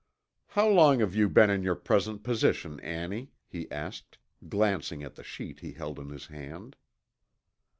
"How long have you been in your present position, Annie?" he asked, glancing at the sheet he held in his hand.